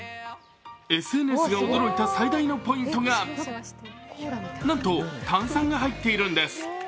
ＳＮＳが驚いた最大のポイントがなんと、炭酸が入っているんです。